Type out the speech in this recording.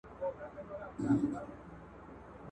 د روغتیا اصول په کور کي عملي کیږي.